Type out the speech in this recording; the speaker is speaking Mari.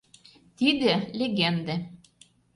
Тиде — легенде.